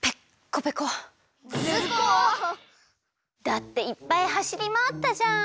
だっていっぱいはしりまわったじゃん。